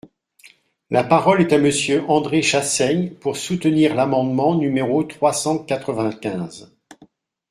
La parole est à Monsieur André Chassaigne, pour soutenir l’amendement numéro trois cent quatre-vingt-quinze.